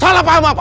salah paham apa